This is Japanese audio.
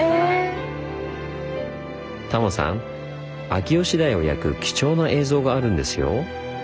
秋吉台を焼く貴重な映像があるんですよ。